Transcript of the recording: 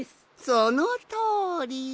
そのとおり。